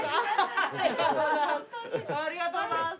ありがとうございます。